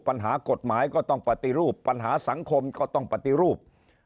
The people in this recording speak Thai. ปัญหากฎหมายก็ต้องปฏิรูปปัญหาสังคมก็ต้องปฏิรูป